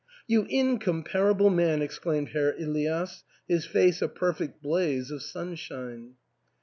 "You incomparable man!" exclaimed Herr Elias, his face a perfect blaze of sun shine.